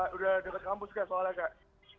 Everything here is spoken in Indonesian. sudah dekat kampus kak soalnya kak